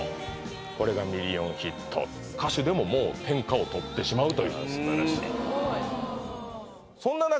これがミリオンヒット歌手でももう天下を取ってしまうというすばらしいすごいそんな中